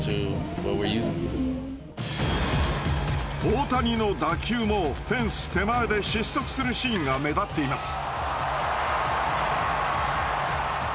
大谷の打球もフェンス手前で失速するシーンが目立っています。